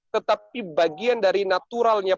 tetapi bagian dari naturalnya